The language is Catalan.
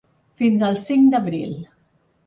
Fins al cinc d’abril.